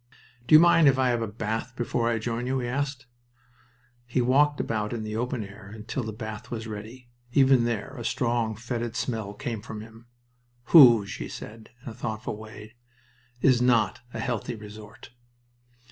"Do you mind if I have a bath before I join you?" he asked. He walked about in the open air until the bath was ready. Even there a strong, fetid smell came from him. "Hooge," he said, in a thoughtful way, "is not a health resort."